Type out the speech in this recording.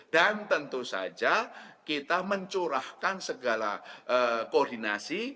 dan tentu saja kita mencurahkan segala koordinasi